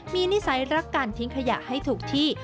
มีนิสัยรักการทิ้งขยะให้ถูกที่